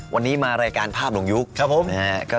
วันนี้มารายการภาพลงยุค